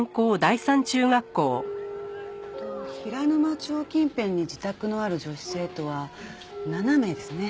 えっと平沼町近辺に自宅のある女子生徒は７名ですね。